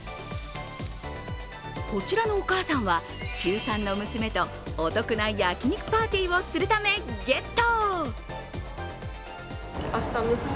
こちらのお母さんは、中３の娘とお得な焼き肉パーティーをするため、ゲット。